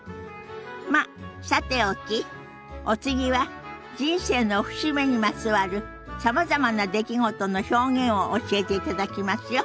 まっさておきお次は人生の節目にまつわるさまざまな出来事の表現を教えていただきますよ。